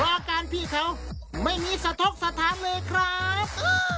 อาการพี่เขาไม่มีสะทกสถานเลยครับ